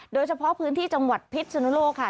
โดยเฉพาะพื้นที่จังหวัดพิษสุนุโลกค่ะ